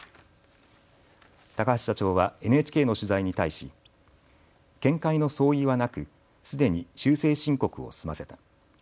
高橋社長はＮＨＫの取材に対し、見解の相違はなくすでに修正申告を済ませた。